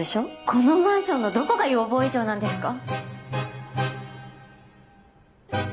このマンションのどこが要望以上なんですか？